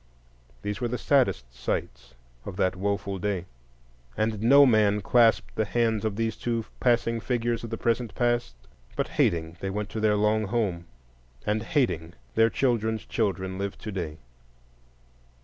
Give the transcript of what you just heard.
These were the saddest sights of that woful day; and no man clasped the hands of these two passing figures of the present past; but, hating, they went to their long home, and, hating, their children's children live today.